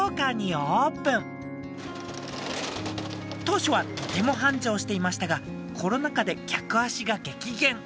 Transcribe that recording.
当初はとても繁盛していましたがコロナ禍で客足が激減。